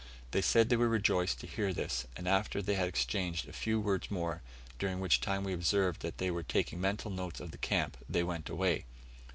They said they were rejoiced to hear this, and after they had exchanged a few words more during which time we observed that they were taking mental notes of the camp they went away.